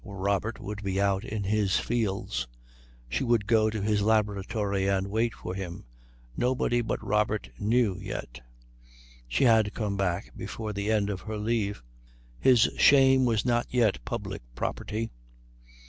Robert would be out in his fields. She would go into his laboratory and wait for him. Nobody but Robert knew yet. She had come back before the end of her leave. His shame was not yet public property.